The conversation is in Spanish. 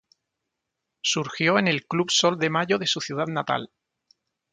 Surgió en el Club Sol de Mayo de su ciudad natal.